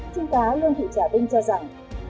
trung tá lương thị trà vinh cho rằng